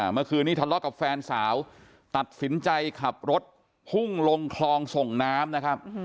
เมื่อคืนนี้ทะเลาะกับแฟนสาวตัดสินใจขับรถพุ่งลงคลองส่งน้ำนะครับ